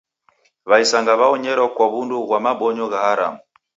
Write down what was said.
W'aisanga w'aonyero kwa w'undu ghwa mabonyo gha haramu